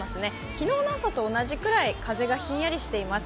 昨日の朝と同じくらい風がひんやりしています。